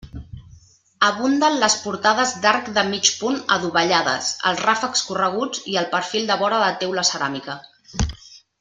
Abunden les portades d'arc de mig punt adovellades, els ràfecs correguts i el perfil de vora de teula ceràmica.